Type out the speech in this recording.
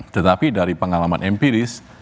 tetapi dari pengalaman empiris